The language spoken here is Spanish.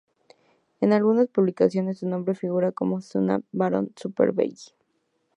En algunas publicaciones su nombre figura como Suzanne Baron Supervielle.